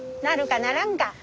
なるかならんか？